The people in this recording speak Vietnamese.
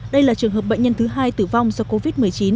đây là trường hợp bệnh nhân thứ hai tử vong do covid một mươi chín